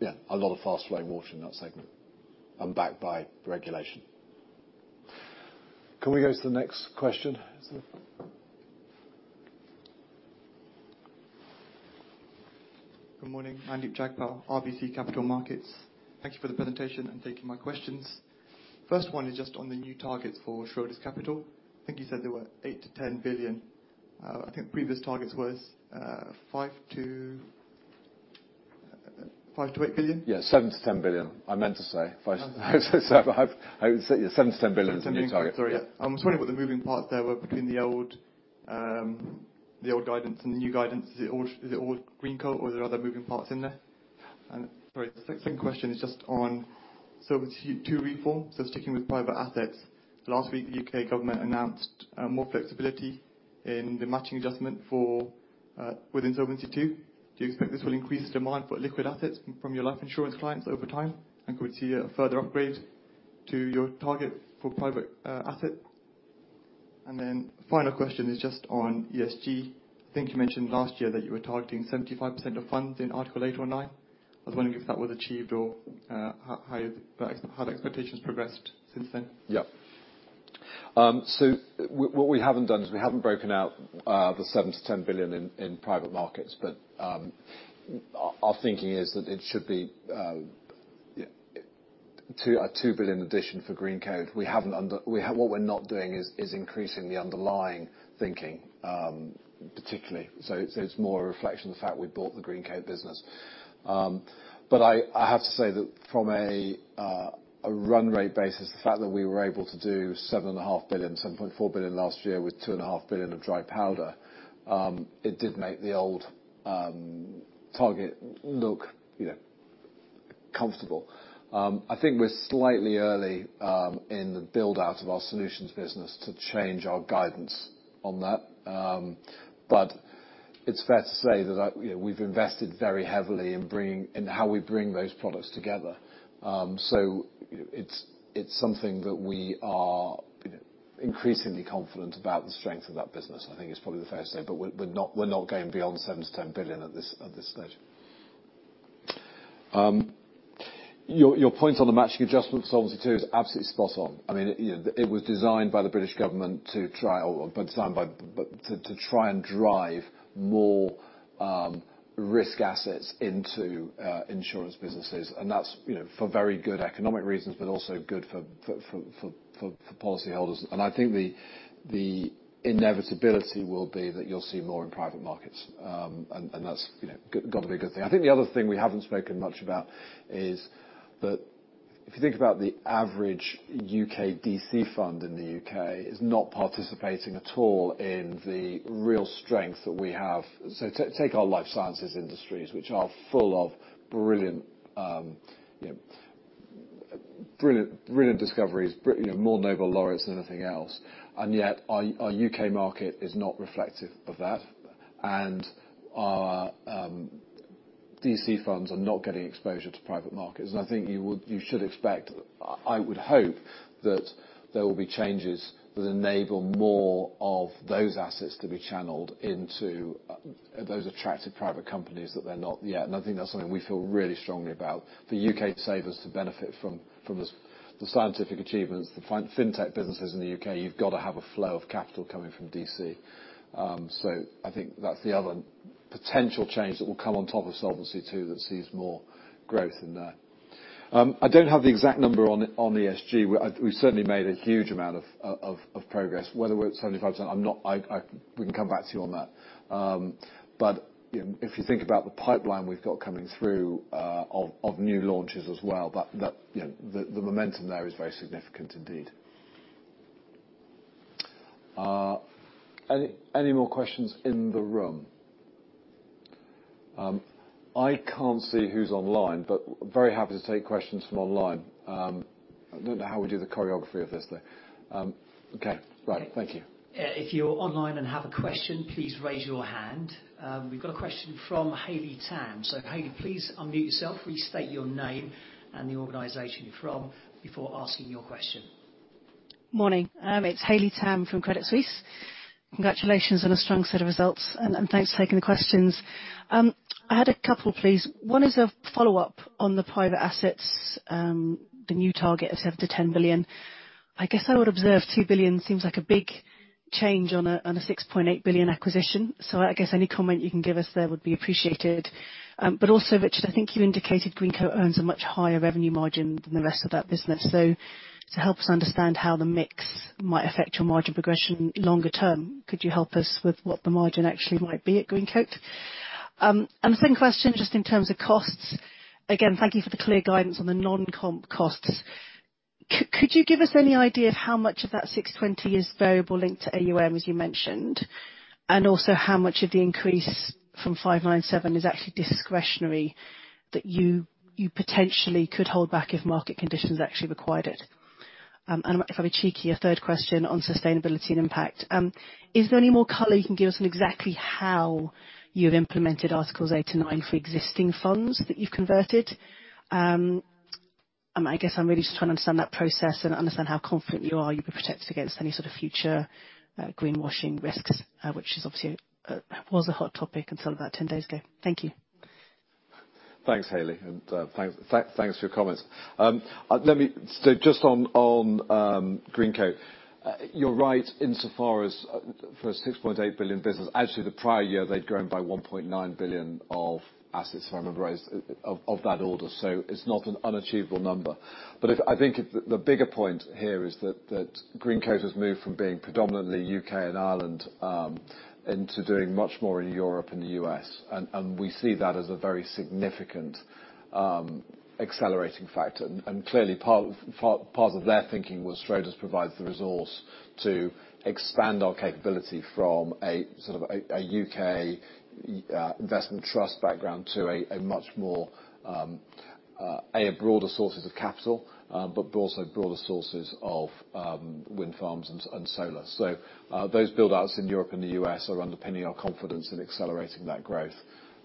Yeah, a lot of fast-flowing water in that segment and backed by regulation. Can we go to the next question? Good morning. Mandeep Jagpal, RBC Capital Markets. Thank you for the presentation and taking my questions. First one is just on the new targets for Schroders Capital. I think you said there were 8 billion-10 billion. I think previous targets was 5 billion-8 billion. Yeah, 7 billion-10 billion. I meant to say 5, so I hope I would say 7 billion-10 billion is the new target. 7-10 billion. Sorry. I'm sorry about the moving parts there were between the old guidance and the new guidance. Is it all Greencoat, or are there other moving parts in there? Sorry, second question is just on Solvency II reform. Sticking with private assets. Last week, U.K. government announced more flexibility in the matching adjustment within Solvency II. Do you expect this will increase demand for liquid assets from your life insurance clients over time? Could we see a further upgrade to your target for private asset? Final question is just on ESG. I think you mentioned last year that you were targeting 75% of funds in Article 8 or 9. I was wondering if that was achieved or how the expectations progressed since then. Yeah. What we haven't done is we haven't broken out the 7 billion-10 billion in private markets. Our thinking is that it should be a 2 billion addition for Greencoat. What we're not doing is increasing the underlying thinking, particularly. It's more a reflection of the fact we bought the Greencoat business. I have to say that from a run rate basis, the fact that we were able to do 7.5 billion, 7.4 billion last year with 2.5 billion of dry powder, it did make the old target look, you know, comfortable. I think we're slightly early in the build-out of our Solutions business to change our guidance on that. It's fair to say that, you know, we've invested very heavily in how we bring those products together. It's something that we are increasingly confident about the strength of that business. I think it's probably fair to say, but we're not going beyond 7 billion-10 billion at this stage. Your point on the matching adjustment for Solvency II is absolutely spot on. I mean, you know, it was designed by the British government to try and drive more risk assets into insurance businesses. That's, you know, for very good economic reasons, but also good for policyholders. I think the inevitability will be that you'll see more in private markets. That's gotta be a good thing. I think the other thing we haven't spoken much about is that if you think about the average U.K. DC fund in the U.K. is not participating at all in the real strength that we have. Take our life sciences industries, which are full of brilliant discoveries, you know, more Nobel laureates than anything else. Yet our U.K. market is not reflective of that. Our DC funds are not getting exposure to private markets. I think you should expect, I would hope that there will be changes that enable more of those assets to be channeled into those attractive private companies that they're not yet. I think that's something we feel really strongly about. For U.K. savers to benefit from the scientific achievements, the fintech businesses in the U.K., you've got to have a flow of capital coming from DC. I think that's the other potential change that will come on top of Solvency II that sees more growth in there. I don't have the exact number on ESG. We certainly made a huge amount of progress. Whether we're at 75%, I'm not. We can come back to you on that. You know, if you think about the pipeline we've got coming through of new launches as well, that you know, the momentum there is very significant indeed. Any more questions in the room? I can't see who's online, but very happy to take questions from online. I don't know how we do the choreography of this, though. Okay. Right. Thank you. If you're online and have a question, please raise your hand. We've got a question from Haley Tam. Haley, please unmute yourself. Please state your name and the organization you're from before asking your question. Morning. It's Haley Tam from Credit Suisse. Congratulations on a strong set of results, and thanks for taking the questions. I had a couple, please. One is a follow-up on the private assets, the new target of 7 billion-10 billion. I guess I would observe 2 billion seems like a big change on a 6.8 billion acquisition. I guess any comment you can give us there would be appreciated. Also, Richard, I think you indicated Greencoat owns a much higher revenue margin than the rest of that business. To help us understand how the mix might affect your margin progression longer term, could you help us with what the margin actually might be at Greencoat? The second question, just in terms of costs. Again, thank you for the clear guidance on the non-comp costs. Could you give us any idea of how much of that 620 is variable linked to AUM, as you mentioned, and also how much of the increase from 597 is actually discretionary, that you potentially could hold back if market conditions actually required it? And if I were cheeky, a third question on sustainability and impact. Is there any more color you can give us on exactly how you've implemented Articles 8 and 9 for existing funds that you've converted? I guess I'm really just trying to understand that process and understand how confident you are you'll be protected against any sort of future greenwashing risks, which is obviously was a hot topic until about ten days ago. Thank you. Thanks, Haley, and thanks for your comments. Just on Greencoat. You're right, insofar as for a 6.8 billion business, actually, the prior year, they'd grown by 1.9 billion of assets, if I remember right, of that order. It's not an unachievable number. I think the bigger point here is that Greencoat has moved from being predominantly U.K. and Ireland into doing much more in Europe and the U.S. We see that as a very significant accelerating factor. Clearly, part of their thinking was Schroders provides the resource to expand our capability from a sort of a U.K. investment trust background to a much broader sources of capital, but also broader sources of wind farms and solar. Those build-outs in Europe and the U.S. are underpinning our confidence in accelerating that growth.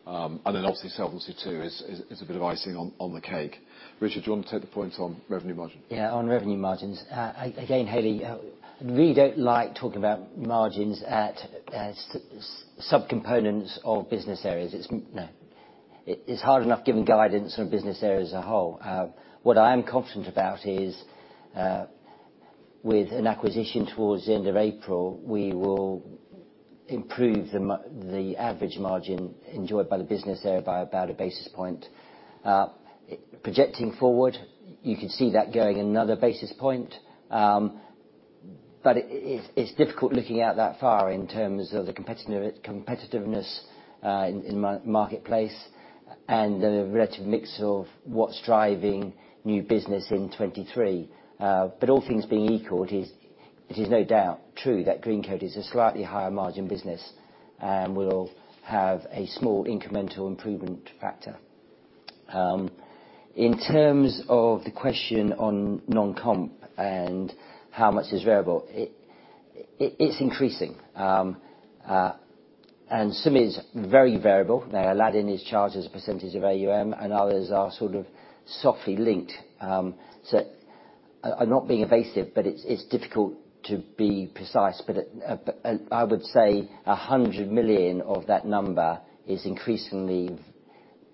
Obviously, Solvency II is a bit of icing on the cake. Richard, do you want to take the point on revenue margin? Yeah, on revenue margins. Again, Haley, we don't like talking about margins at subcomponents of business areas. It's not. It's hard enough giving guidance on business area as a whole. What I am confident about is, with an acquisition towards the end of April, we will improve the average margin enjoyed by the business area by about a basis point. Projecting forward, you could see that going another basis point. It's difficult looking out that far in terms of the competitiveness in marketplace, and the relative mix of what's driving new business in 2023. All things being equal, it is no doubt true that Greencoat is a slightly higher margin business and will have a small incremental improvement factor. In terms of the question on non-comp and how much is variable, it's increasing. Some is very variable. Now, Aladdin is charged as a percentage of AUM, and others are sort of softly linked. I'm not being evasive, but it's difficult to be precise. I would say 100 million of that number is increasingly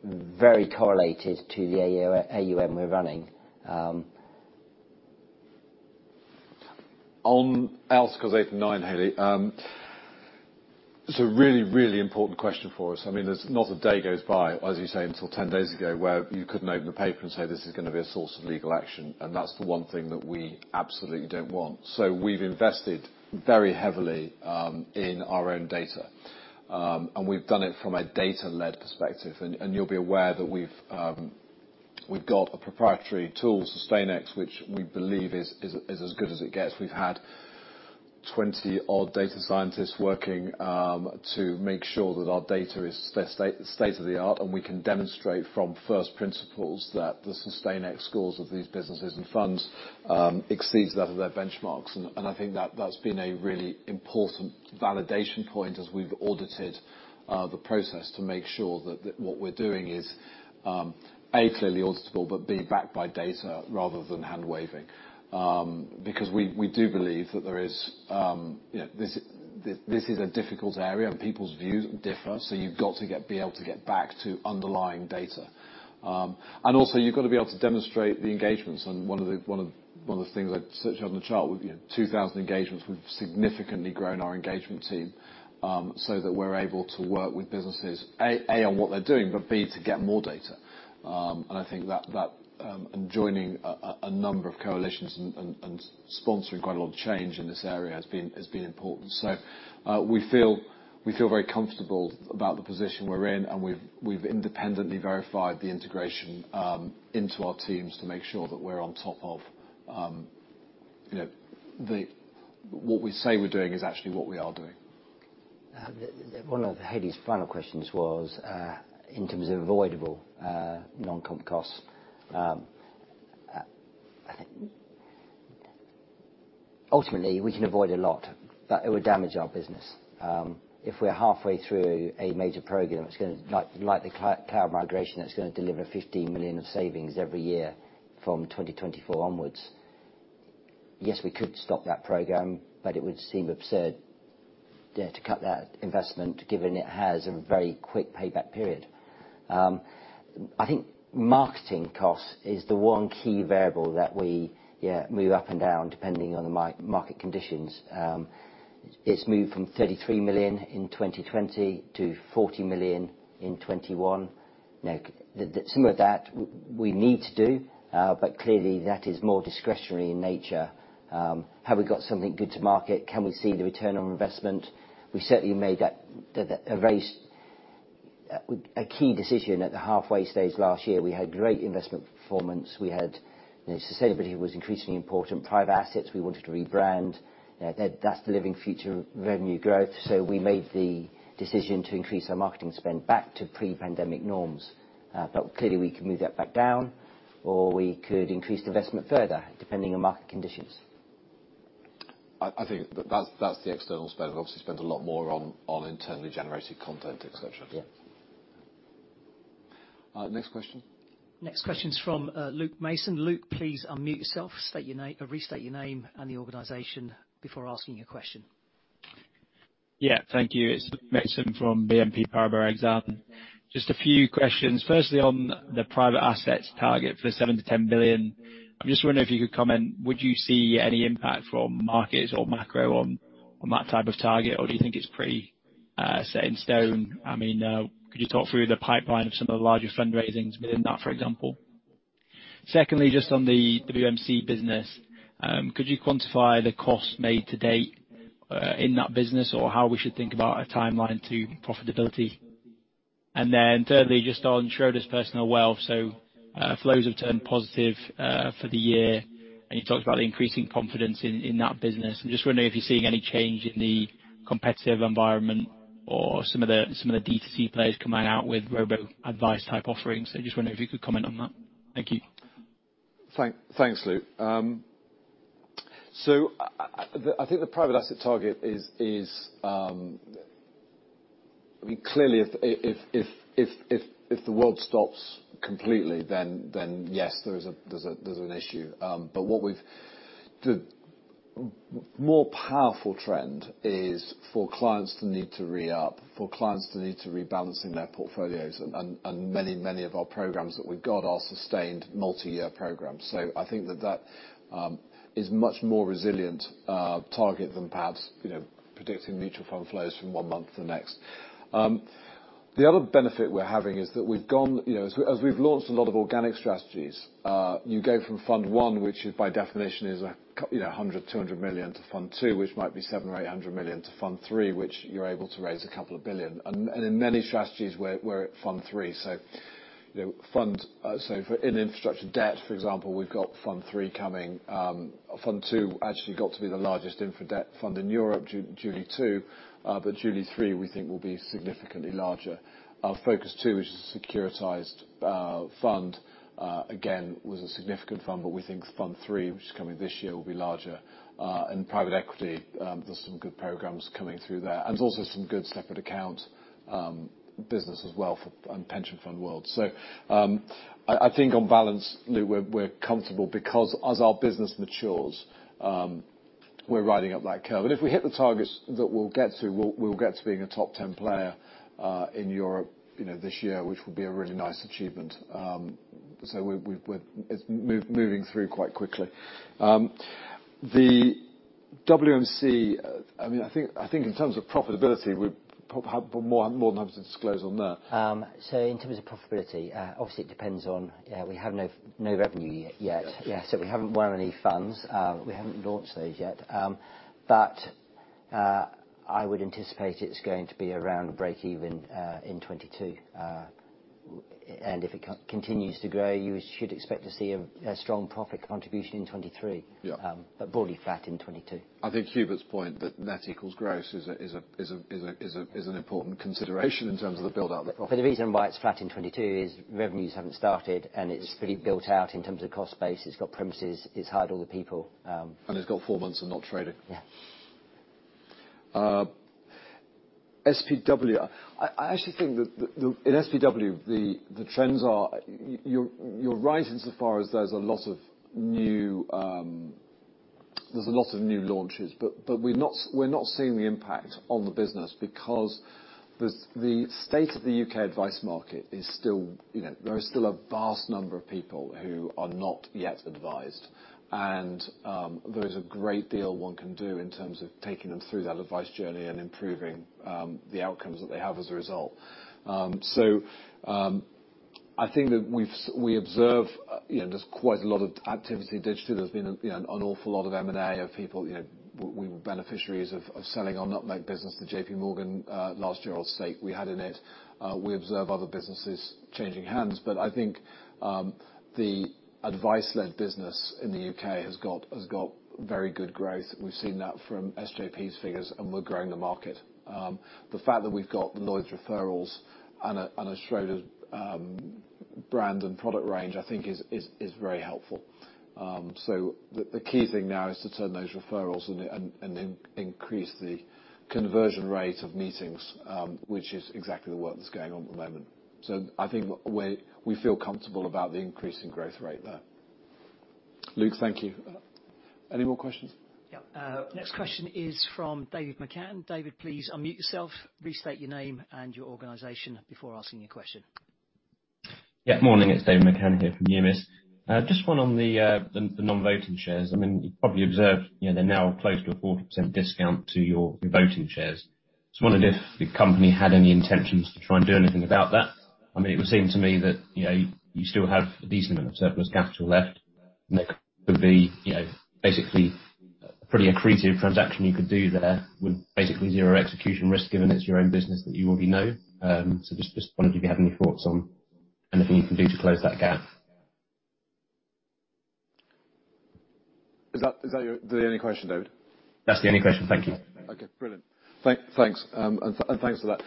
very correlated to the AUM we're running. On Article 8 and Article 9, Hailey, it's a really, really important question for us. I mean, there's not a day goes by, as you say, until 10 days ago, where you couldn't open the paper and say, this is gonna be a source of legal action. That's the one thing that we absolutely don't want. We've invested very heavily in our own data. We've done it from a data-led perspective. You'll be aware that we've got a proprietary tool, SustainEx, which we believe is as good as it gets. We've had 20-odd data scientists working to make sure that our data is the state of the art, and we can demonstrate from first principles that the SustainEx scores of these businesses and funds exceeds that of their benchmarks. I think that's been a really important validation point as we've audited the process to make sure that what we're doing is A, clearly auditable, but B, backed by data rather than hand-waving. Because we do believe that there is you know, this is a difficult area and people's views differ, so you've got to be able to get back to underlying data. Also, you've got to be able to demonstrate the engagements. One of the things I've circled on the chart with you know 2,000 engagements, we've significantly grown our engagement team so that we're able to work with businesses A on what they're doing, but B to get more data. I think that joining a number of coalitions and sponsoring quite a lot of change in this area has been important. We feel very comfortable about the position we're in, and we've independently verified the integration into our teams to make sure that we're on top of you know what we say we're doing is actually what we are doing. One of Haley's final questions was in terms of avoidable non-comp costs. Ultimately, we can avoid a lot, but it would damage our business. If we're halfway through a major program, it's gonna, like, the cloud migration that's gonna deliver 15 million of savings every year from 2024 onwards, yes, we could stop that program, but it would seem absurd, yeah, to cut that investment given it has a very quick payback period. I think marketing cost is the one key variable that we, yeah, move up and down depending on the market conditions. It's moved from 33 million in 2020 to 40 million in 2021. Now, some of that we need to do, but clearly, that is more discretionary in nature. Have we got something good to market? Can we see the return on investment? We certainly made that a key decision at the halfway stage last year. We had great investment performance. We had, you know, sustainability was increasingly important. Private assets, we wanted to rebrand. That's delivering future revenue growth, so we made the decision to increase our marketing spend back to pre-pandemic norms. But clearly, we can move that back down or we could increase investment further, depending on market conditions. I think that's the external spend. We've obviously spent a lot more on internally generated content, et cetera. Yeah. Next question. Next question's from Luke Mason. Luke, please unmute yourself. Restate your name and the organization before asking your question. Yeah. Thank you. It's Luke Mason from BNP Paribas Exane. Just a few questions. Firstly, on the private assets target for the 7 billion-10 billion, I'm just wondering if you could comment. Would you see any impact from markets or macro on that type of target, or do you think it's pretty set in stone? I mean, could you talk through the pipeline of some of the larger fundraisings within that, for example? Secondly, just on the WMC business, could you quantify the cost made to date in that business or how we should think about a timeline to profitability? Thirdly, just on Schroders Personal Wealth, flows have turned positive for the year, and you talked about the increasing confidence in that business. I'm just wondering if you're seeing any change in the competitive environment or some of the D2C players coming out with robo-advice type offerings. Just wondering if you could comment on that. Thank you. Thanks, Luke. I think the private asset target is. I mean, clearly, if the world stops completely, then yes, there is an issue. But the more powerful trend is for clients to need to re-up, for clients to need to rebalance their portfolios, and many of our programs that we've got are sustained multi-year programs. I think that is much more resilient target than perhaps, you know, predicting mutual fund flows from one month to the next. The other benefit we're having is that we've gone, you know, as we've launched a lot of organic strategies. You go from fund one, which is, by definition is you know, a hundred, two hundred million, to fund two, which might be 700 or 800 million, to fund three, which you're able to raise a couple of billion. In many strategies, we're at fund three. You know, for infrastructure debt, for example, we've got fund three coming. Fund two actually got to be the largest infra debt fund in Europe, July 2022. But July 2023, we think will be significantly larger. Our FOCUS II, which is a securitized fund, again, was a significant fund, but we think fund three, which is coming this year, will be larger. In private equity, there's some good programs coming through there. There's also some good separate account business as well in the pension fund world. I think on balance, Luke, we're comfortable because as our business matures, we're riding up that curve. If we hit the targets that we'll get to, we'll get to being a top ten player in Europe, you know, this year, which will be a really nice achievement. It's moving through quite quickly. The WMC, I mean, I think in terms of profitability, we're more than happy to disclose on that. In terms of profitability, obviously it depends on, yeah, we have no revenue yet. We haven't won any funds. We haven't launched those yet. I would anticipate it's going to be around breakeven in 2022. If it continues to grow, you should expect to see a strong profit contribution in 2023. Yeah. Broadly flat in 2022. I think Hubert's point that net equals gross is an important consideration in terms of the build-out. The reason why it's flat in 2022 is revenues haven't started, and it's fully built out in terms of cost base. It's got premises. It's hired all the people. It's got four months of not trading. Yeah. SPW. I actually think that in SPW, the trends are, you're right, insofar as there's a lot of new launches, but we're not seeing the impact on the business because the state of the U.K. advice market is still, you know, there are still a vast number of people who are not yet advised. There is a great deal one can do in terms of taking them through that advice journey and improving the outcomes that they have as a result. I think that we observe, you know, there's quite a lot of digital activity. There's been an awful lot of M&A of people. We were beneficiaries of selling our Nutmeg business to JPMorgan last year, or stake we had in it. We observe other businesses changing hands. I think the advice-led business in the U.K. has got very good growth. We've seen that from SJP's figures, and we're growing the market. The fact that we've got Lloyds referrals and a Schroders brand and product range, I think is very helpful. The key thing now is to turn those referrals and increase the conversion rate of meetings, which is exactly the work that's going on at the moment. I think we feel comfortable about the increase in growth rate there. Luke, thank you. Any more questions? Yeah. Next question is from David McCann. David, please unmute yourself, restate your name and your organization before asking your question. Morning. It's David McCann here from Numis. Just one on the non-voting shares. I mean, you probably observed, you know, they're now close to a 40% discount to your voting shares. Just wondered if the company had any intentions to try and do anything about that. I mean, it would seem to me that, you know, you still have a decent amount of surplus capital left, and there could be, you know, basically a pretty accretive transaction you could do there with basically zero execution risk, given it's your own business that you already know. So just wondered if you have any thoughts on anything you can do to close that gap. Is that the only question, David? That's the only question. Thank you. Okay, brilliant. Thanks. Thanks for that.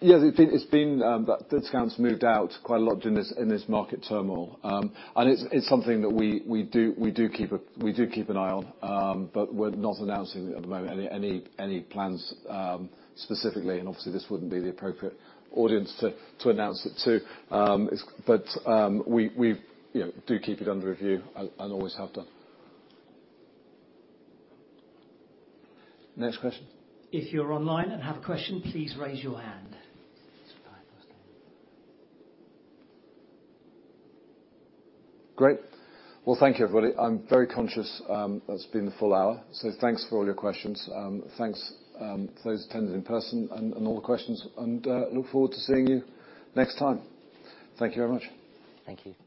Yeah, it's been that discount's moved out quite a lot during this market turmoil. It's something that we do keep an eye on, but we're not announcing at the moment any plans specifically, and obviously, this wouldn't be the appropriate audience to announce it to. We, you know, do keep it under review and always have done. Next question. If you're online and have a question, please raise your hand. Great. Well, thank you, everybody. I'm very conscious, it's been a full hour, so thanks for all your questions. Thanks for those attending in person and all the questions, and look forward to seeing you next time. Thank you very much. Thank you.